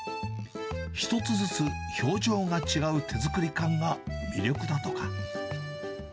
一つずつ表情が違う手作り感が魅力だとか。